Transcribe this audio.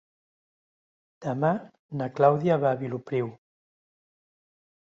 Demà na Clàudia va a Vilopriu.